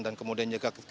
dan kemudian juga